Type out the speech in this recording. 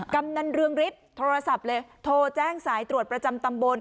กำนันเรืองฤทธิ์โทรศัพท์เลยโทรแจ้งสายตรวจประจำตำบล